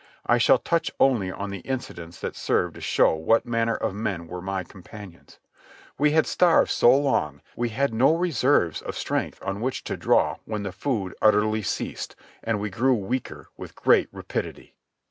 I shall touch only on the incidents that serve to show what manner of men were my companions. We had starved so long, that we had no reserves of strength on which to draw when the food utterly ceased, and we grew weaker with great rapidity.